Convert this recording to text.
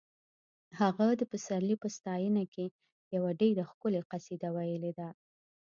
هغه د پسرلي په ستاینه کې یوه ډېره ښکلې قصیده ویلې ده